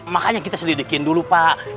makanya kita selidikin dulu pak